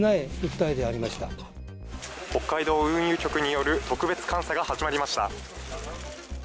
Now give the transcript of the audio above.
北海道運輸局による特別監査が始まりました。